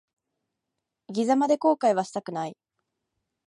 生き様で後悔はしたくない。